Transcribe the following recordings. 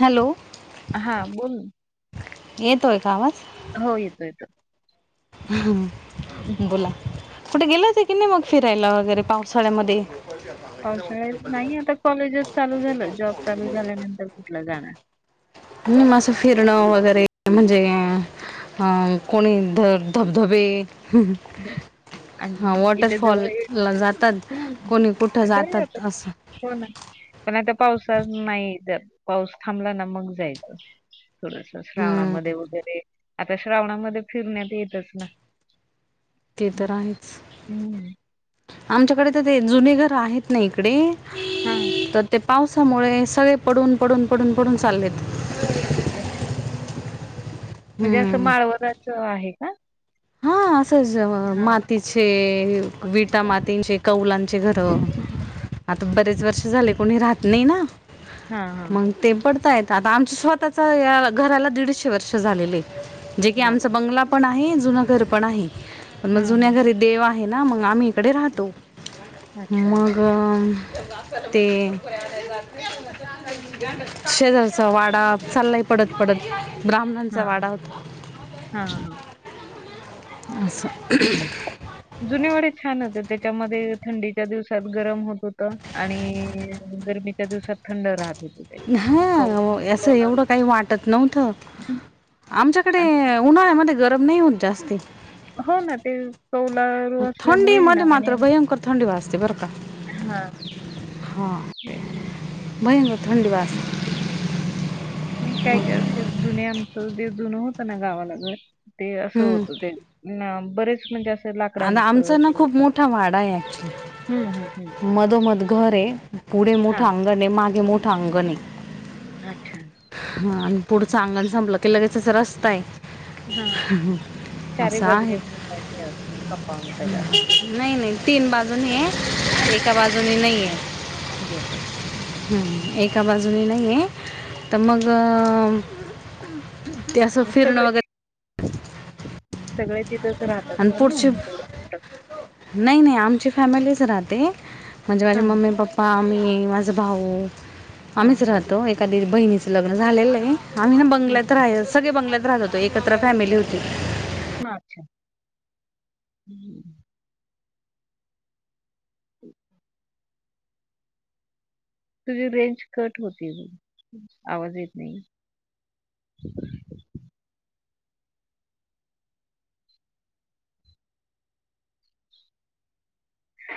Hello हा बोल. येतोय का आवाज? हो येतो येतो. हं. हम्म बोला. कुठे गेलं होते की नाही, मग फिरायला वगैरे पावसाळ्यामध्ये? पावसाळ्यात, नाही आता कॉलेजच चालू झालं. जॉब चालू झाल्यानंतर कुठलं जाणार? म मसं फिरणं वगैरे म्हणजे, अं ह कोणी ध धबधबे [inaudible] आणि इथे जवळेच वॉटरफॉलला जातात [inaudible] हम् कोणी कुठं जातात [unintelligible] असं हो ना पण आता पावसाळाच नाही तर पाऊस थांबला ना मग जायचं थोडस हं, श्रावणामध्ये वगैरे आता श्रावणामध्ये फिरण्यात येतच ना ते हं. तर हं. आहेच आमच्याकडे तर ते जुने घर आहेत ना इकडे हम तर ते पावसामुळे सगळे पडून पडून पडून पडून चाललेत अच्छा म्हणजे असं हं. माळवनाच आहे का हा असंच हां, मातीचे मग विटा मातींचे कौलांचे घरं हम् आता बरेच वर्ष झाले कोणी राहत नाही ना हां, हां. मग ते पडतायेत आता आमच्या स्वतःच्या या घराला दीडशे वर्ष झालेलेत जे की आमचा बापरे! बंगला पण आहे जुन घर पण आहे पण मग हां, जुन्या हां. घरी देव आहे ना मग आम्ही कडे राहतो अच्छा. मग ते शेजारचा वाडा चाललाय पडत पडत ब्राह्मणांचा वाडा होता हा हा असं जुने वाडे छान होते त्याच्यामध्ये थंडीच्या दिवसात गरम होत होत आणि गरमीच्या दिवसात थंड राहत होत हा असं एवढं काही वाटत नव्हतं हं. आमच्याकडे आणि उन्हाळ्यामध्ये गरम नाही होत जास्ती हो ना ते कवलारू असल्यामुळे आहे थंडीमध्ये ना मात्र आणि भयंकर थंडी वाजते बरं हां, हा ते भयकर थंडी वाजते ह काय काय असे जुने आमचं जे जुनं होतं ना घर ते असं होत ते ना बरेच म्हणजे अस आण आमचना खूप मोठा वाडा आहे हं, हं, हं. ऍक्चुली मधोमध घर आहे पुढे मोठं हां, अंग णं मागे मोठं आगणं अच्छा. हे आण पुढं चांगण संपलं की लगेच रस्ता आहे हा चारी असं बाजने आहे. [unintelligible] असेल कंपाऊंडला नाही नाही तीन बाजून हे एका बाजूनी नाही गेट हं, हं. आहे एका बाजूने नाही आहे तर मग ते असं फिरणं सगळे वगैरे सगळे तिथंच राहतात आणि ना पुढची म्हणून तेवढं नाही नाही आमची फॅमिलीच राहते म्हणजे माझे हा मम्मी पप्पा प आम्ही माझं भाऊ हा आम्हीच हा राहतो एखादी बहिणीचं लग्न झालेलं आहे आम्ही ना हम्म बंगल्यात हम्म. राह सगळे बंगल्यात राहत होतो एकत्र फॅमिली होती अच्छा ह [unintelligible] तुझी रेंज कट होते ग आवाज येत नाही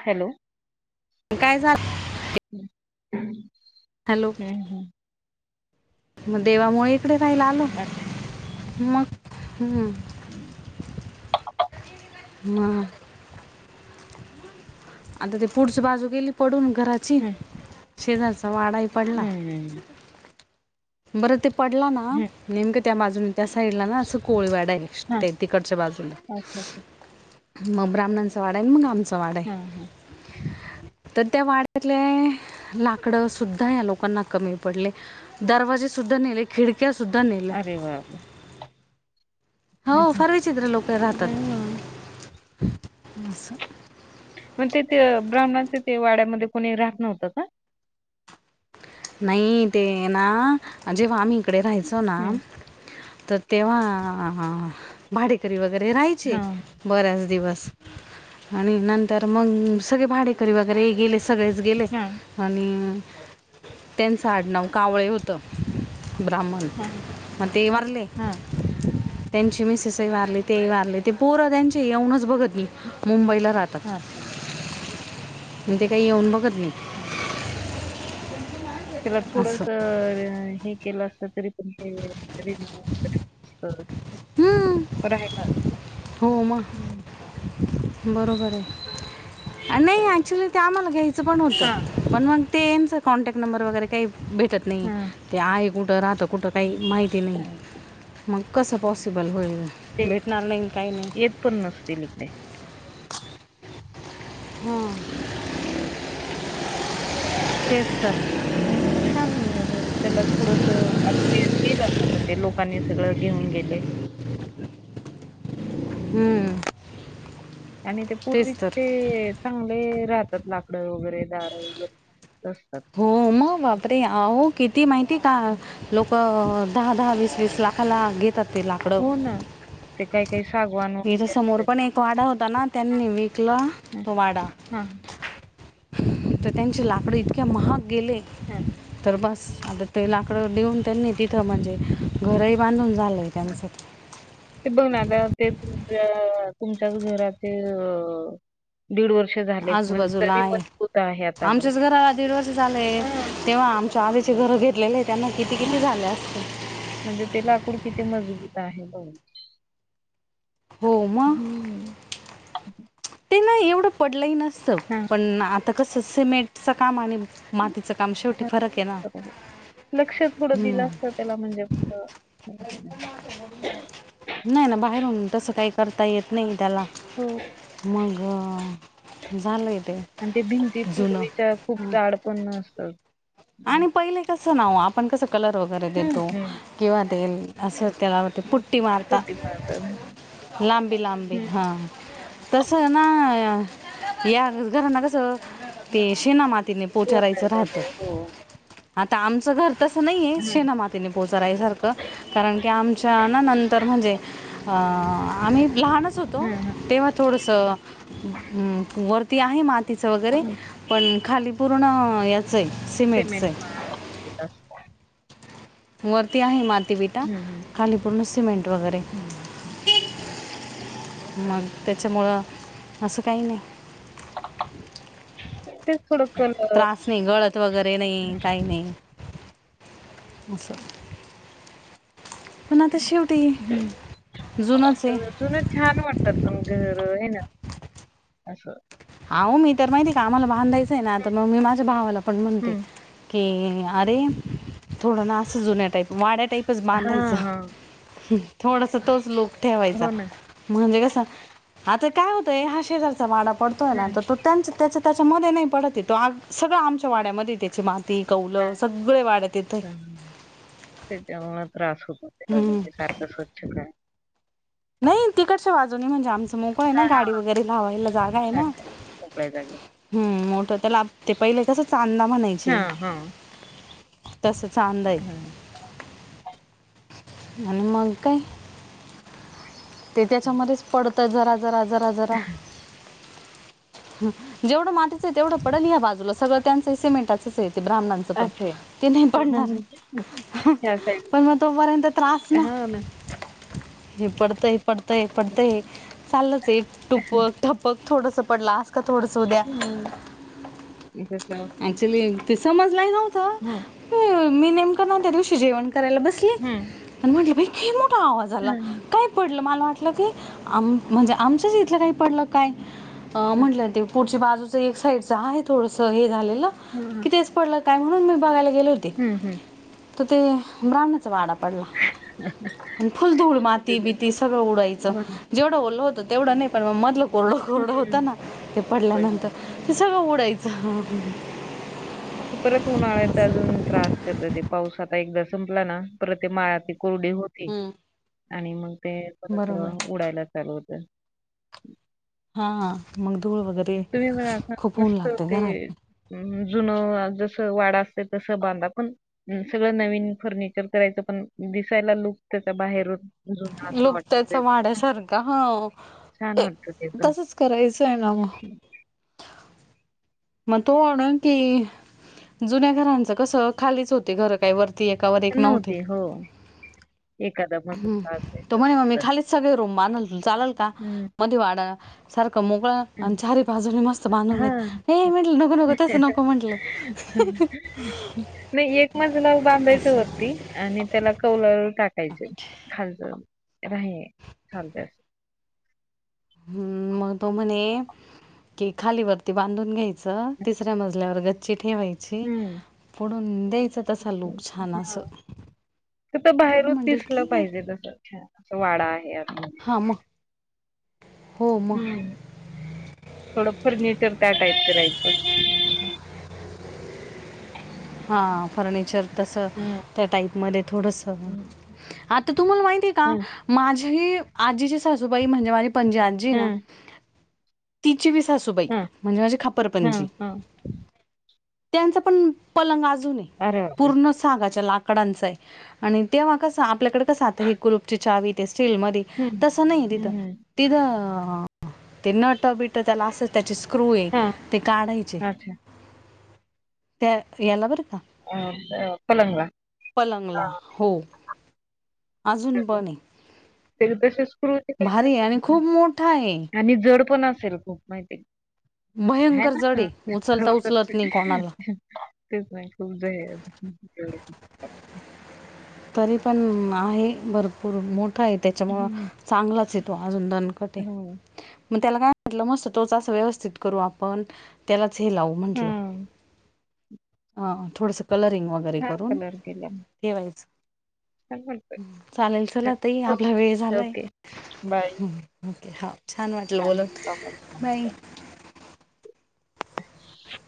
हॅलो काय झालं हम्म हॅलो हम्म मग देवामुळे इकडे रायला आलो हट मग हम्म हम्म. हां हां. आता ते पुढचं बाजू केेली पडून घराची, हम्म शेजारचा वाडाही पडला. हम्म. बरं ते पडला ना,, हम्म नेमकं त्या बाजूनं त्या साईडला ना असं कोळीवाडा हे. हा ते तिकडच्या बाजूला, अच्छा अच्छा मग ब्राह्मणांचा वाडा आहे न मग आमचा चा वाडा हा हा य. तर त्या वाड्यातले लाकडं सुद्धा या लोकांना कमी पडले. दरवाजे सुद्धा नेले, खिडक्या सुध्दा नेल्या. अरे बापरे! हो फार विचित्र लोकं हम्म. राहतात,, हम्म. असं. पण ते, ते ब्राह्मणांच्या ते वाड्यामध्ये कोणी राहत नव्हतं का? नाही ते ना, जेव्हा आम्ही इकडे राहायचो ना, हम्म तर तेव्हा,,, भाडेकरी वगैरे हा राह्यायचे. बऱ्याच दिवस,, आणि नंतर मग सगळे भाडेकरी वगैरे हे गेले सगळेच गेले,, हा आणि त्यांचं आडनाव कावळे होतं. ब्राह्मण, हा मग ते वारले हा त्यांची मिसेसही वारली तेही वारले,, ते पोरं त्यांचे येऊनच बघत नाही मुंबईला राहतात,, हा अच्छा म ते काही येऊन बघत नाही. हम्म. त्याला असं थोडसं हे केलं असतं तरी पण ते रीपे हम्म. बरं आहे का हो मग. बरोबर आहे, अ नाही ऍक्च्युली ते आम्हाला घ्यायचं पण हा होतं. पण मग तेंच कॉन्टॅक्ट नंबर वगैरे काही भेटत नाही, हा ते आहे कुठं राहतं कुठं काही माहिती नाही, हा. मग कसं पॉसिबल होईल, ते भेटणार नाही न काही नाही येत पण नसतील इकडे. हं. तेच तर. नाही तर छान त्याला ते थोडसं ते लोक कांनी सगळं घेऊन गेले. हम्म. आणि ते तेच तर पूर्वीचेच चांगले राहतात लाकडं वगैरे दारं वगैरे, असतात. हो मग बापरे, आहो किती माहिती हेका, लोकं दहा दहा वीस वीस लाखाला घे हो ना. ते काही काही सागवान इथं वगैरे समोर असतात पण एक वाडा होता ना, त्यांनी विकला तो वाडा. हां. तर त्यांचे लाकडं इतक्या महाग गेले, हा तर बस, आता ते लाकडं देऊन त्यांनी तिथं म्हणजे, घरंही बांधून झालय हा. त्यांचं. ते बघून आल्या ते तुमच्या तुमच्याच घराचेअअअ दीड वर्ष झाले पण आजूबाजूला तरी आहे. मजबूत आहे आतापर्यंत, आमच्याच घराला दीड वर्ष झाले. हा. तेव्हा आमच्या आधीचे घरं घेतलेले त्यांना किती, हा किती झाले असतील. म्हणजे ते लाकूड किती मजबूत आहे बघ. हो, मग. हम्म‌. ते ना एवढं पडलही नसतं. हा. आता कसं, सिमेंटचं काम आणि मातीचं काम शेवटी फरक आहे ना? लक्ष थोडं दिल हम्म असत, त्याला म्हणजे असं नाही ना, बाहेरून तसं काही करता, येत नाही त्याला. हो. मग अ, झालंय आणि ते, भिंती जुनं पूर्वीच्या खूप चाड पन असतात. आणि पहिले कसं, नाव आपण कसं कलर वगैरे हं, देतो. हं. किंवा तेल असं त्याला ते पुटी मारता, पुटी माळतात. लाबी लाबी हं. हां. तसं ना, या घरांना कसं ते, शेनामातीने पोचारायचं कोरड्या राहतं. ते हो. आता आमचं घर तसं नाहीये, हं, शेनामाता त्यांनी पोचरायसारखं, कारण की आमच्या नंदन म्हणजे अं, आम्ही लहानचं होतो, हं, हं. तेव्हा थोडसं वरती आहे मातीच वगैरे पण खाली पूर्ण, याच आहे सिमें सिमेंट [inaudible] वरती आहे माती विटा, हं, हं. खाली पूर्ण सिमेंट वगैरे हं. मग, त्याच्यामुळं असं काही नाही. इथेच थोडं [inaudible] त्रास नाही गळत वगैरे नाही, काही नाही. असं. पण आता शेवटी, हं. जुनच आहे. तर जुनं छान वाटतात पण घर होय ना, असं. आहो मी तर माहिती आहे का, आम्हाला बांधायचंय ना, आता मग मी माझ्या भावाला पण म्हणते हं. की अरे! थोडं ना असं, जुन्या टाईप, वाड्या टाईपच बांधायचं. हां, हां. हम्म, थोडसं तोच लुक ठेवायचा. हो ना. म्हणलस, आता काय होतंय, हा शेजारचा वाडा पडतोय ना हं. तर तो त्यांचं त्याच्या त्याच्या, मध्ये नाही पडतं तो सगळं आमच्या वाड्यामध्ये त्याची माती ती कौलं, सगळे वाड्यात येतेय. तेच्यामुळे त्रास होतो तीला, सारखं स्वच्छ काय? नाही ती कशी वाजव नाही म्हणजे आम्हचं मोकळ आहे ना, हां, गाडी हां. वगैरे लावायला जागा आहे, ना. अच्छा. मोकळ्या जागी. हम्म, मोठ त्याला ते पहिले कसं चांण म्हणाय [unintelligible] तस, चांंद आहे. हां. आणि, मग काय? ते त्याच्यामध्येच पडत, जरा, जरा, जरा, जरा. जेवढं मातीचं तेवढं, पडल या बाजूला सगळ त्यांच सिमेंटचेत ब्रा्मणां पण अच्छा आहे. ते नाय हं, पडणार, हं, हं. त्या साईड पण मग तोपर्यंत त्रास ना. हे पडतंय पडतंय पडतंय, चाललंच आहे टुप ठप थोडस पडला, अस का थोडस उद्या. हं. जसं चिली, ती समज नाय तुमच. [unintelligible] हो, मी नेमकं ना त्या दिवशी जेवण करायला बसले. हं. आणि म्हटलं खी मोठा आवाज आला हं, हं. काय मला वाट की आम म्हणजे आमच्याच इथलं काय पडलं काय. अ हं. -म्हंटलं ते पुढच्या बाजूचं एक साईडचं आहे थोडंसं हे झालेलं. हम्म की हम्. तेच पडल काय म्हणून बघायला गेल होते. हं. तर ते ब्राह्मणाचा वाडा पडला. अन् फुलधूळ माती बीती सगळं उडायचं हो ना. जेवढं ओल हो तेवढं नाय पण मग मधलं कोरडं कोरडं होत हं. ना ते पडला पडल्यानंतर नाही. ते सगळं उडायचं. ती परत उन्हाळ्यात अजून त्रास करत ते पाऊस आता एकदा संपला ना परत ते माळ ती कोरडी हो ती आणि मग ते बरोबर उडायला चालू होतं. हा मग धूळ वगैरे तुम्ही खूप होऊन लागते घरात. हम्म, जुनं जसं वाड असते तसं बांधा पण सगळं नवीन फर्निचर करायचं पण दिसायला लुक त्याचा बाहेरून जुना असं वाटत लुपत्याचा असेल. हं, वाड्यासारखा हो छान वाटतं ते पण तसच करायचंय नाय म. मग तो म्हणून की जुन्या घरांचं कसं खालीच होते घरं काय वर नव्हती हो एखादा महत्त्वाचे. तो म्हणे मग मी खालीच सगळे रूम बांधल चाललं का हं, मध्ये वाडा सारखं मोगळा हं. आणि चारीही बाजूनी मस्त बांधून, हा ए म्हंटलं नको नको तसं नको म्हंटलं. नाय एक मजला बांधायचं असं होती आणि त्याला कौलारू टाक कायच खालच राह्य [unintelligible] हम्म, म तो म्हणे कि खालीवरती बांधून घ्याय च -तिसऱ्या मजल्यावर गच्ची ठेवाय ची हम्म. -पुढून द्यायच तसा लूक छान अस. तिथ बाहेरच दिसलं पाहिजे तस छान वाडा आहे आत मदी. हा म. हम्म. थोडं फर्निचर त्या टाईप करायचं. हा फर्निचर तसं हम्म. त्या टाईपमध्ये थोडंस करणार. हम्म. आता तुम्हाला माहितीये का माझी आजीची सासूबाई म्हणजे माझी आजी ए ना. हम्म. तिची बी सासूबाई हम्म. म्हणजे माझे खापरपणजी, हं, हं. त्यांचा पण पलंग अजून ए. अरे बापरे! पूर्ण सागाच्या लाकडांच आय, आणि तेव्हा कस आपल्याकडे कस आत हे कुलुपची चावी तेे स्टीलमध्ये हम्म. तस नाय तिथ, हम्म. तिथ ते नट बी ट - त्याला असंच त्याचे स्क्रू ए हां. ते काढायचे. अच्छा. त्या याला बर का, अ, अ, पलंगला. पलंगला हां. हो. अजूनपण ए. त्याला तशे स्क्रू आहे आणि [unintelligible] खूप मोठा आहे आणि जड पण असेल खूप माहिती ह्य भयंकर जड ना [inaudible] आहे उचलता उचलत नाही कोणाला तेचं नाहीं खूंप जां आहे तरी पणं आहे भरंपूर मोठां आहे त्यांच्यामुळे हं. चांगलाच येतो अजूंन दणंकटं हो. मगं त्यांला कायं म्हटलं मस्तं तोंच व्यवस्थित करूं आपणं त्यांलाचं हे लावूं म्हंटलं हां. अं थोडंसं कलरिंग वगैरें वगैरें हां, करूंन कलर केला. ठेवायचं छान वाटतंय. चालेल चलां ताई हो. आपलां वेळं झालायं ओके. बाय. आहे छांन वाटलं बोलूंन. छान बांय [unintelligible]